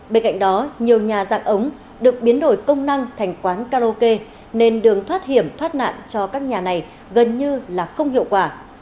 bên cạnh đó nhiều nhà dạng ống được biến đổi công năng thành quán karaoke nên đường thoát hiểm thoát nạn cho các nhà này gần như là không hiệu quả